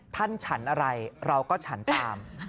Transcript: ฉันอะไรเราก็ฉันตาม